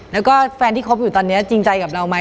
แล้วก็แฟนที่คบอยู่จริงใจกับเราว่า